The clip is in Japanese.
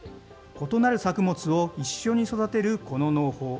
異なる作物を一緒に育てるこの農法。